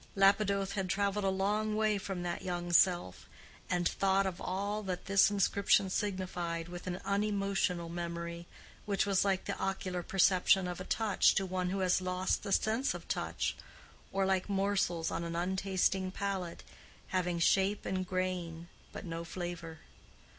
Lapidoth had traveled a long way from that young self, and thought of all that this inscription signified with an unemotional memory, which was like the ocular perception of a touch to one who has lost the sense of touch, or like morsels on an untasting palate, having shape and grain, but no flavor.